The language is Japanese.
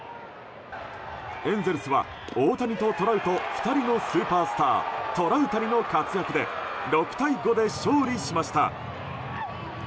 エンゼルスは大谷とトラウト２人のスーパースタートラウタニの活躍で６対５で勝利しました。